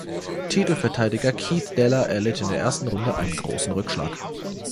Titelverteidiger Keith Deller erlitt in der ersten Runde einen großen Rückschlag.